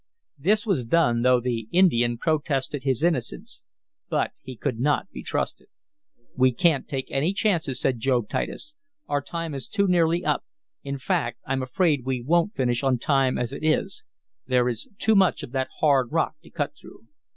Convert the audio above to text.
This was done, though the Indian protested his innocence. But he could not be trusted. "We can't take any chances," said Job Titus. "Our time is too nearly up. In fact I'm afraid we won't finish on time as it is. There is too much of that hard rock to cut through."